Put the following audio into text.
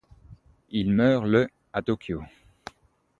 Il meurt le à Tokyo.